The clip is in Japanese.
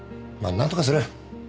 まあ何とかする。